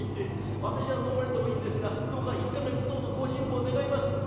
私は飲まれてもいいんですがどうか１か月どうぞご辛抱願います」。